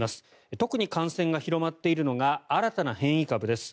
特に感染が広まっているのが新たな変異株です。